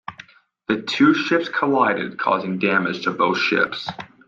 The two ships collided causing damage to both ships.